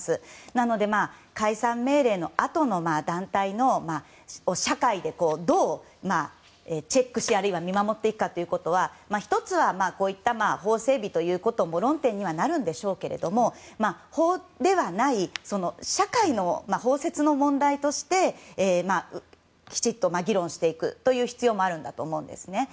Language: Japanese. なので、解散命令のあとの団体を社会でどうチェックしあるいは見守っていくかということは１つは、法整備ということも論点にはなるんでしょうけど法ではない社会の問題としてきちんと議論していく必要もあるんだと思うんですね。